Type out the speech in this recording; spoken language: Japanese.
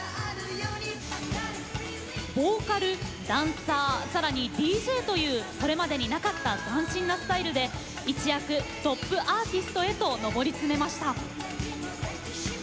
ボーカルダンサーさらにＤＪというそれまでになかった斬新なスタイルで一躍トップアーティストへと上り詰めました。